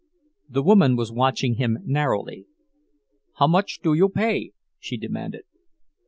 The woman was watching him narrowly. "How much do you pay?" she demanded.